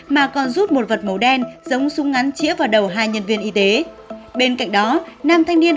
mà còn rút một vật màu đen giống súng ngắn chĩa vào đầu hai nhân viên y tế bên cạnh đó nam thanh niên